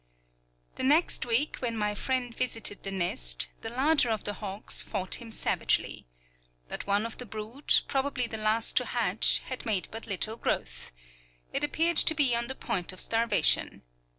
The next week, when my friend visited the nest, the larger of the hawks fought him savagely. But one of the brood, probably the last to hatch, had made but little growth. It appeared to be on the point of starvation.